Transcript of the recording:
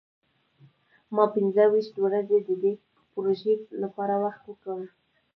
ما پنځه ویشت ورځې د دې پروژې لپاره وخت ورکړ.